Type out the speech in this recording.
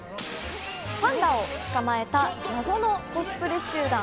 パンダを捕まえた謎のコスプレ集団。